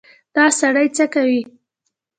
_دا سړی څه کوې؟